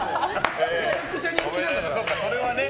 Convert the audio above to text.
めちゃくちゃ人気なんだから。